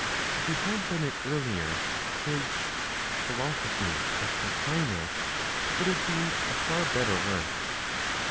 If he had done it earlier, his "Philosophy of Plotinos" would have been a far better work.